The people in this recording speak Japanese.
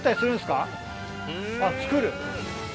あっ作る。